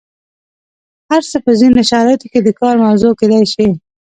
هر څه په ځینو شرایطو کې د کار موضوع کیدای شي.